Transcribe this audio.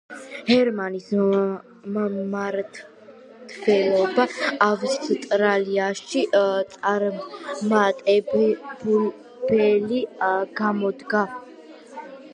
ჰერმანის მმართველობა ავსტრიაში წარუმატებელი გამოდგა.